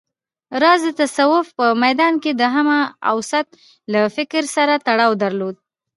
راز د تصوف په ميدان کې د همه اوست له فکر سره تړاو درلود